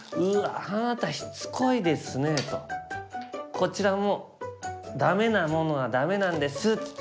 こちらもダメなものはダメなんですっつって。